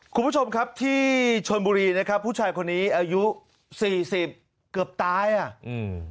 คุณผู้ชมครับที่ชนบุรีนะครับผู้ชายคนนี้อายุสี่สิบเกือบตายอ่ะอืม